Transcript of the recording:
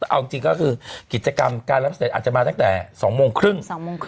เอาจริงก็คือกิจกรรมการรับเสด็จอาจจะมาตั้งแต่๒โมงครึ่ง